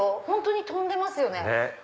本当に飛んでますよね。